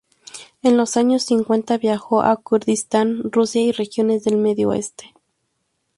En los años cincuenta viajó a Kurdistán, Rusia, y regiones del Medio Este.